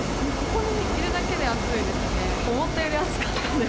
ここにいるだけで暑いですね。